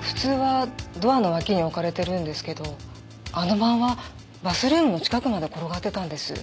普通はドアの脇に置かれているんですけどあの晩はバスルームの近くまで転がっていたんです。